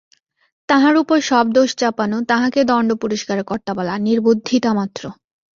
তাঁহার উপর সব দোষ চাপানো, তাঁহাকে দণ্ড-পুরস্কারের কর্তা বলা নির্বুদ্ধিতামাত্র।